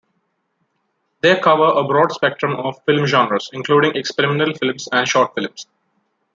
They cover a broad spectrum of film genres, including experimental films and short films.